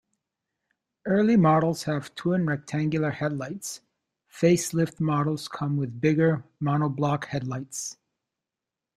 Early models have twin rectangular headlights, facelift models come with bigger monoblock headlights.